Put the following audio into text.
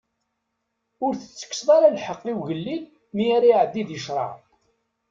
Ur tettekkseḍ ara lḥeqq i ugellil mi ara iɛeddi di ccṛeɛ.